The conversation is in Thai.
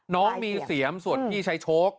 น้องมีเสียมส่วนพี่ใช้โชค